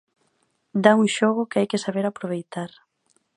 Dá un xogo que hai que saber aproveitar.